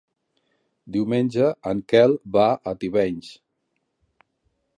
Diumenge en Quel va a Tivenys.